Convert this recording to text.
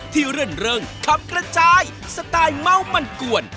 ที่เรื่องคำกระจายสไตล์เมาส์มั่นกวน